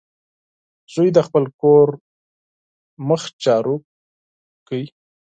زوی د خپل کور مخه جارو کړه.